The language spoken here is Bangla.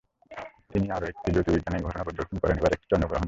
তিনি আরও একটি জ্যোতির্বৈজ্ঞানিক ঘটনা পর্যবেক্ষণ করেন, এবার একটি চন্দ্রগ্রহণ।